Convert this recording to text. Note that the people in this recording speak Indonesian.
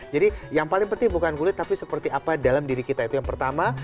jadi yang paling penting bukan kulit tapi seperti apa dalam diri kita itu yang pertama